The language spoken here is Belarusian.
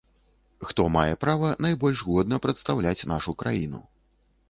Хто мае права найбольш годна прадстаўляць нашу краіну.